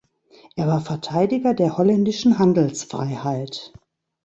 Er war Verteidiger der holländischen Handelsfreiheit.